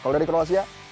kalau dari croatia